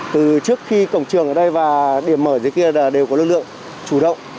từ trước khi cổng trường ở đây và điểm mở dưới kia là đều có lực lượng chủ động